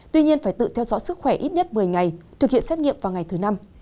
tuy nhiên phải tự theo dõi sức khỏe ít nhất một mươi ngày thực hiện xét nghiệm vào ngày thứ năm